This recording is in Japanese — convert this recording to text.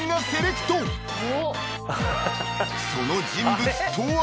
［その人物とは］